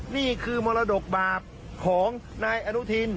นี่คือมรดกบาปของนายอนุทิน